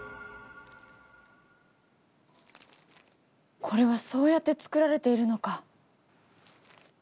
これはそうやって作られているのか。